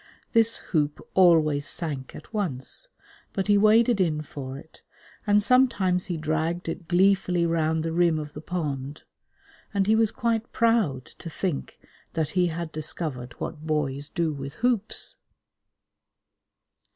This hoop always sank at once, but he waded in for it, and sometimes he dragged it gleefully round the rim of the pond, and he was quite proud to think that he had discovered what boys do with hoops.